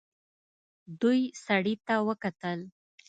دوی سړي ته وکتل.